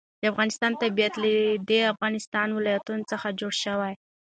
د افغانستان طبیعت له د افغانستان ولايتونه څخه جوړ شوی دی.